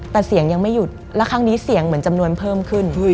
แต่เสียงยังไม่หยุดแล้วครั้งนี้เสียงเหมือนจำนวนเพิ่มขึ้น